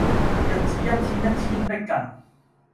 日子一天一天迫近